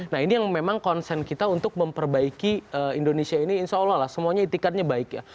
nah ini yang memang konsen kita untuk memperbaiki indonesia ini insya allah lah semuanya itikatnya baik ya